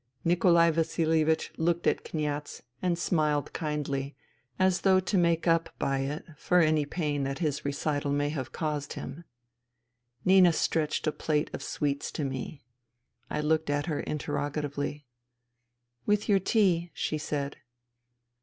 Nikolai Vasihevich looked at Kniaz and smiled kindly, as though to make up by it for any pain that his recital may have caused him. Nina stretched a plate of sweets to me. I looked at her interrogatively. " With your tea," she said.